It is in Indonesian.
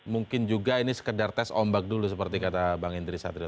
mungkin juga ini sekedar tes ombak dulu seperti kata bang indri satrio